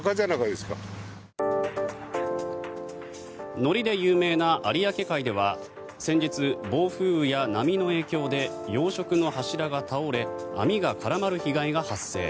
のりで有名な有明海では先日、暴風雨や波の影響で養殖の柱が倒れ網が絡まる被害が発生。